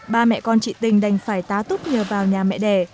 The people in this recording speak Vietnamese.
ba mẹ con chị tình đành phải tá túc nhờ vào nhà mẹ đẻ